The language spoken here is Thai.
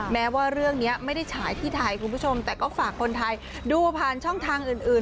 แม้ว่าเรื่องนี้ไม่ได้ฉายที่ไทยคุณผู้ชมแต่ก็ฝากคนไทยดูผ่านช่องทางอื่น